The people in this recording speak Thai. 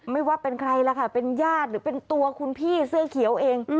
ไม่ว่าเป็นใครล่ะค่ะเป็นญาติหรือเป็นตัวคุณพี่เสื้อเขียวเอง